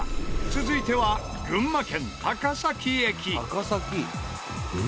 続いては群馬県高崎駅。